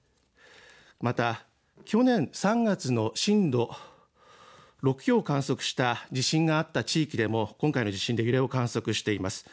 また去年３月の震度６強を観測した地震があった地域でも今回の地震で揺れを観測しています。